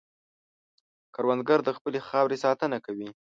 کروندګر د خپلې خاورې ساتنه کوي